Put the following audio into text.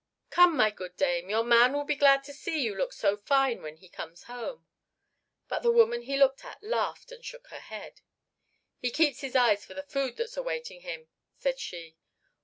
Come, my good dame, your man will be glad to see you look so fine when he comes home." But the woman he looked at laughed and shook her head. "He keeps his eyes for the food that's awaiting him," said she.